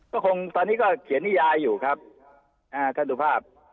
ก็คงตอนนี้ก็เขียนนิยายอยู่ครับท่านสุภาพ